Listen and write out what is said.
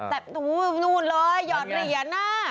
แต่นู่นเลยหยอดเหรียญน่ะ